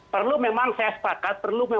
perlu memang saya sepakat perlu